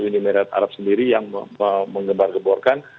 unimed arab sendiri yang mengembar gemburkan